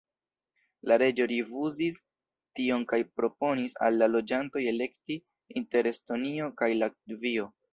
La reĝo rifuzis tion kaj proponis al la loĝantoj elekti inter Estonio kaj Latvio.